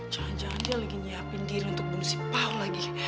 jangan jangan dia lagi nyiapin diri untuk bunuh si paulo lagi